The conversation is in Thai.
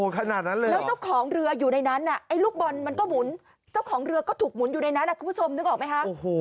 แล้วเจ้าของเรืออยู่ในนั้นลูกบอลมันก็หมุนเจ้าของเรือก็ถูกหมุนอยู่ในนั้นคุณผู้ชมนึกออกไหมครับ